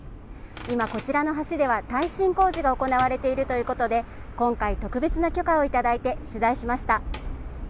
今こちらの橋では耐震工事が行われているということで今回、特別な許可をいただいて取材しました。